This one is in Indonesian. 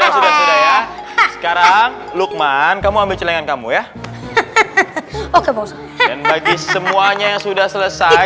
sekarang lukman kamu ambil celingan kamu ya oke bagi semuanya yang sudah selesai